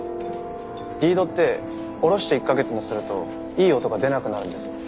リードって下ろして１カ月もするといい音が出なくなるんですよ。